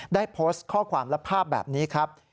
ได้โพสต์ข้อความและภาพแบบนี้ครับ